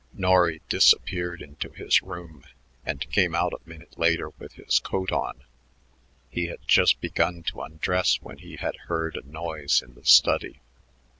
Norry disappeared into his room and came out a minute later with his coat on; he had just begun to undress when he had heard a noise in the study.